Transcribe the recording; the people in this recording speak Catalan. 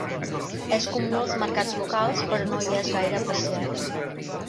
És comú als mercats locals però no hi és gaire apreciat.